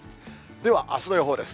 では、あすの予報です。